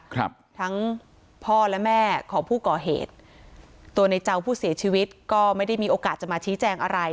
ครับทั้งพ่อและแม่ของผู้ก่อเหตุตัวในเจ้าผู้เสียชีวิตก็ไม่ได้มีโอกาสจะมาชี้แจงอะไร